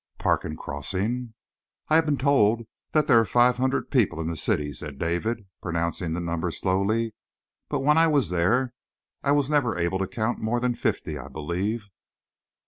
"Parkin Crossing?" "I have been told that there are five hundred people in the city," said David, pronouncing the number slowly. "But when I was there, I was never able to count more than fifty, I believe."